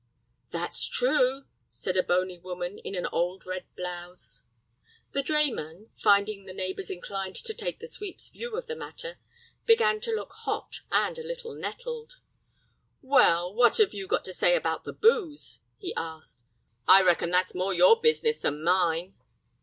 "That's true," said a bony woman in an old red blouse. The drayman, finding the neighbors inclined to take the sweep's view of the matter, began to look hot, and a little nettled. "Well, what 'ave yer got to say about the booze?" he asked. "I reckon that's more your business than mine."